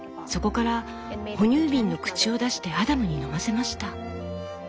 そこから哺乳瓶の口を出してアダムに飲ませました」。